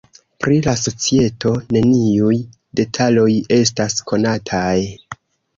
Pri la societo, neniuj detaloj estas konataj.